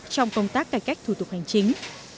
trong công tác cải cách thủ tục hành chính